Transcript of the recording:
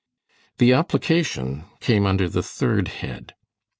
The application came under the third head.